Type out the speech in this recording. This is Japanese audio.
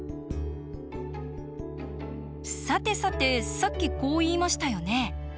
さてさてさっきこう言いましたよね。